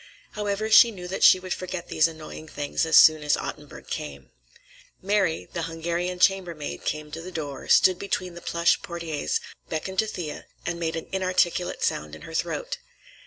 However, she knew that she would forget these annoying things as soon as Ottenburg came. Mary, the Hungarian chambermaid, came to the door, stood between the plush portières, beckoned to Thea, and made an inarticulate sound in her throat.